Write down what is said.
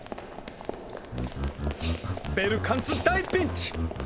ベルカンツ大ピンチ！